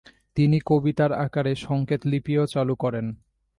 তিনি কবিতার আকারে সংকেত লিপিও চালু করেন।